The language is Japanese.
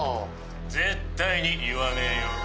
絶対に言わねぇよ。